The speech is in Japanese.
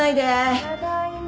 ・ただいま。